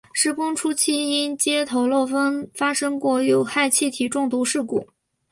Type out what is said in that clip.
施工初期曾因接头漏风发生过有害气体中毒事故。